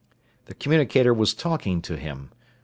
The communicator was talking to him.